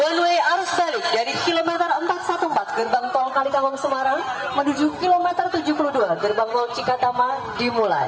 one way arus balik dari kilometer empat ratus empat belas gerbang tol kalikawang semarang menuju kilometer tujuh puluh dua gerbang tol cikatama dimulai